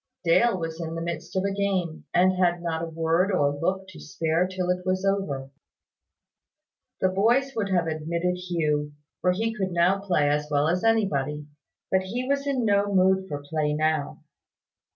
Dale was in the midst of a game, and had not a word or look to spare till it was over. The boys would have admitted Hugh; for he could now play as well as anybody; but he was in no mood for play now.